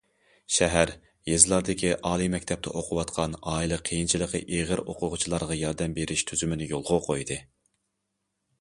شەھەر، يېزىلاردىكى ئالىي مەكتەپتە ئوقۇۋاتقان ئائىلە قىيىنچىلىقى ئېغىر ئوقۇغۇچىلارغا ياردەم بېرىش تۈزۈمىنى يولغا قويدى.